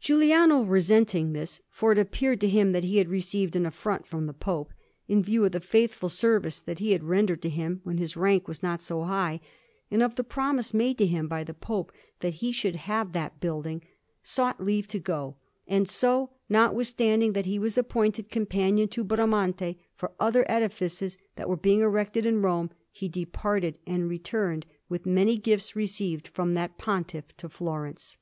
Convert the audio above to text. Giuliano, resenting this, for it appeared to him that he had received an affront from the Pope, in view of the faithful service that he had rendered to him when his rank was not so high, and of the promise made to him by the Pope that he should have that building, sought leave to go; and so, notwithstanding that he was appointed companion to Bramante for other edifices that were being erected in Rome, he departed, and returned, with many gifts received from that Pontiff, to Florence.